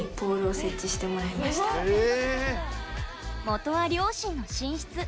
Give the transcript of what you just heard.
もとは両親の寝室。